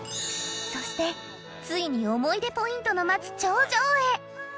そしてついに思い出ポイントの待つ頂上へ！